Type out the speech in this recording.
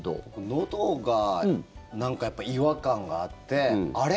のどがなんかやっぱり違和感があってあれ？